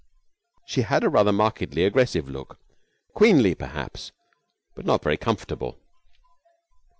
She had a rather markedly aggressive look, queenly perhaps, but not very comfortable.